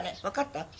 わかった？